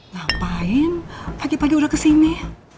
ngapain pagi pagi udah kesini